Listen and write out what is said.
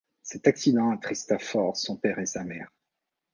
Cet accident attrista fort son père et sa mère.